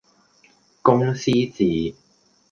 公司治